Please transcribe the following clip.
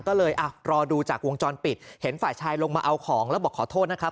ก็เลยอ่ะรอดูจากวงจรปิดเห็นฝ่ายชายลงมาเอาของแล้วบอกขอโทษนะครับ